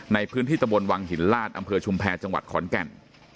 ในพื้นที่ตะบนวังหินลาดอำเภอชุมแพรจังหวัดขอนแก่น